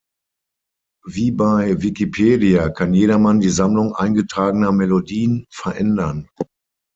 Wie bei Wikipedia kann jedermann die Sammlung eingetragener Melodien verändern.